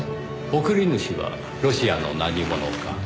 送り主はロシアの何者か。